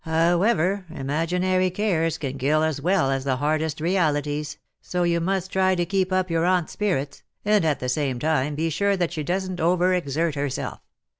However, imaginary cares can kill as well as the hardest realities, so you must try to keep up your aunt's spirits, and at the same time be sure that she doesn't over exert herself.